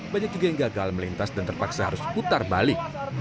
banyak juga yang gagal melintas dan terpaksa harus putar balik